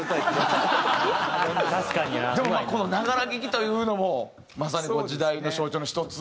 でもこのながら聴きというのもまさに時代の象徴の一つ。